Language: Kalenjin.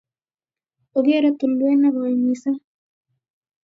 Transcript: ogeere tulwet nekooi mising